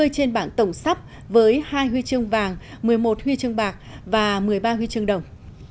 hai mươi trên bảng tổng sắp với hai huy chương vàng một mươi một huy chương bạc và một mươi ba huy chương đồng